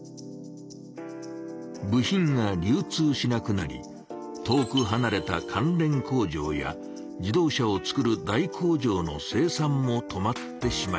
部品が流通しなくなり遠くはなれた関連工場や自動車を作る大工場の生産も止まってしまいました。